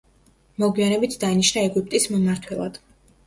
მოგვიანებით დაინიშნა ეგვიპტის მმართველად.